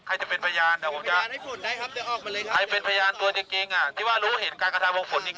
ใครจะเป็นพยานใครเป็นพยานตัวจริงที่ว่ารู้เห็นการกระทะวงฝนจริง